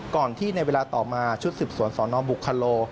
ก่อนที่ในเวลาต่อมาชุดสืบสวนสนบุคโล